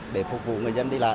để phục vụ người dân đi lại